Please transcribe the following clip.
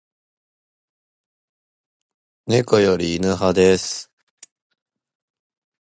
猫より犬派です